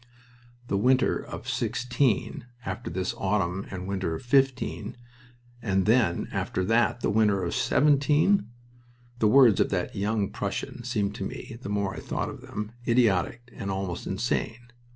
The winter of '16, after this autumn and winter of '15, and then after that the winter of '17! The words of that young Prussian seemed to me, the more I thought of them, idiotic and almost insane.